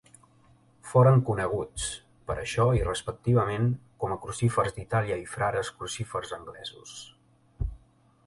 Foren coneguts, per això i respectivament, com a Crucífers d'Itàlia i Frares Crucífers Anglesos.